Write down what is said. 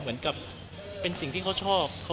เรียกงานไปเรียบร้อยแล้ว